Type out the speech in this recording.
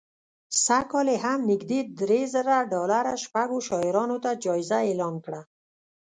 سږ کال یې هم نژدې درې زره ډالره شپږو شاعرانو ته جایزه اعلان کړه